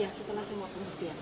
ya setelah semua pembuktian